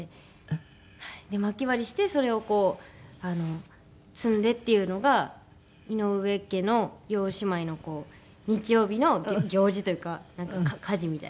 まき割りしてそれをこう積んでっていうのが井上家の４姉妹のこう日曜日の行事というかなんか家事みたいな感じでした。